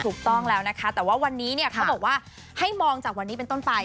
ถูกต้องแล้วนะคะแต่ว่าวันนี้เขาบอกว่าให้มองจากวันนี้เป็นต้นไป